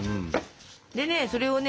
でねそれをね